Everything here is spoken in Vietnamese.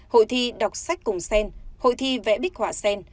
hội thi đọc sách cùng sen hội thi vẽ bích họa xen